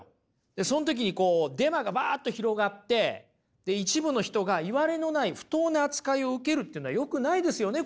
でその時にデマがばっと広がって一部の人がいわれのない不当な扱いを受けるというのはよくないですよね？